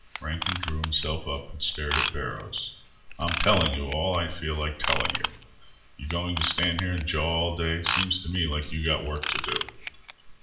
Rankin drew himself up and stared at Barrows. "I'm telling you all I feel like telling you. You going to stand here and jaw all day? Seems to me like you got work to do."